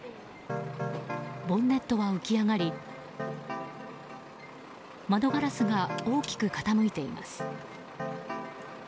ボンネットは浮き上がり窓ガラスが大きく傾いています。